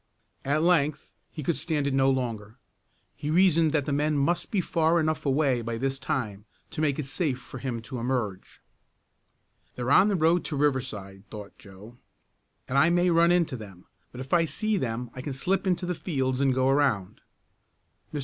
At length he could stand it no longer. He reasoned that the men must be far enough away by this time to make it safe for him to emerge. "They're on the road to Riverside," thought Joe, "and I may run into them, but if I see them I can slip into the fields and go around. Mr.